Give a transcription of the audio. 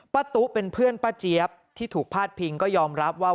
ตุ๊เป็นเพื่อนป้าเจี๊ยบที่ถูกพาดพิงก็ยอมรับว่า